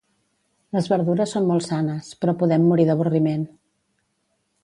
Les verdures són molt sanes, però podem morir d'avorriment.